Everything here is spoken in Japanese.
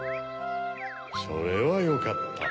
それはよかった。